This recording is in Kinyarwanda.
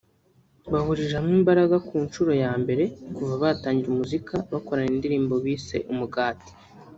bahurije hamwe imbaraga ku nshuro ya mbere kuva batangira umuziki bakorana indirimbo bise ‘Umugati’